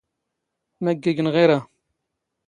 ⵎⴰ ⴳⵉⴳⵏⵖ ⵉⵔⴰ?